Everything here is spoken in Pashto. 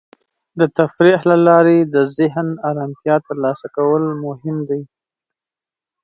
د تفریح له لارې د ذهن ارامتیا ترلاسه کول مهم دی.